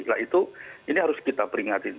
nah itu ini harus kita peringatin